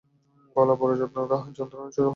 গলায় বড় যন্ত্রণা হয় ছোটবাবু।